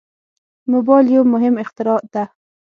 موبایل یو مهم اختراع ده.